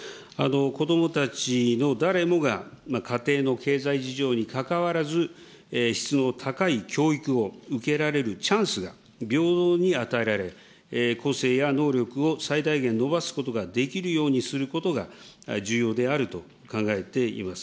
子どもたちの誰もが、家庭の経済事情にかかわらず質の高い教育を受けられるチャンスが平等に与えられ、個性や能力を最大限伸ばすことができるようにすることが、重要であると考えています。